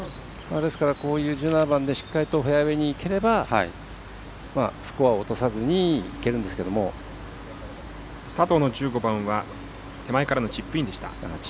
ですから１７番でしっかりとフェアウエーにいければスコアを落とさずに佐藤の１５番は手前からのチップインでした。